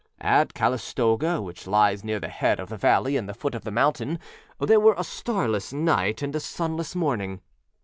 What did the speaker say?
At Calistoga, which lies near the head of the valley and the foot of the mountain, there were a starless night and a sunless morning.